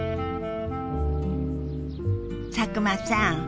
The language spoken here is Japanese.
佐久間さん